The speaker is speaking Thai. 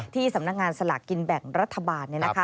ที่สำนักงานสลากกินแบ่งรัฐบาลนะคะ